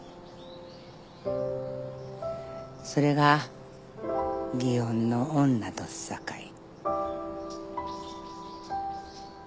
それが祇園の女どすさかい。